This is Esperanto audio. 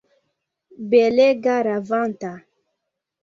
Belega, ravanta!